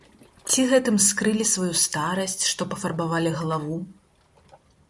Ці гэтым скрылі сваю старасць, што пафарбавалі галаву?